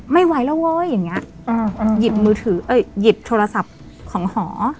ไม่ไหวแล้วเว้ยอย่างนี้หยิบโทรศัพท์ของหอ